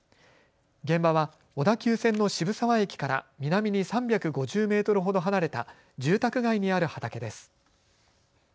現場は小田急線の渋沢駅から南に３５０メートルほど離れた住宅街にある畑です。